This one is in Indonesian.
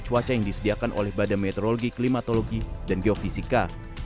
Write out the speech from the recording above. cuaca yang disediakan oleh badan meteorologi klimatologi dan geofisika